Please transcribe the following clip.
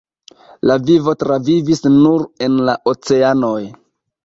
La vivo travivis nur en la oceanoj.